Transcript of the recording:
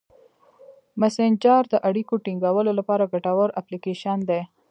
مسېنجر د اړیکو ټینګولو لپاره ګټور اپلیکیشن دی.